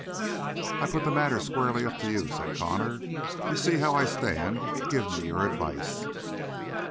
"I put the matter squarely up to you," said Connor. "You see how I stand. Give me your advice!"